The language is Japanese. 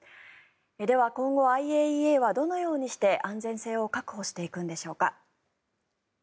では、今後、ＩＡＥＡはどのようにして安全性を確保していくんでしょうか。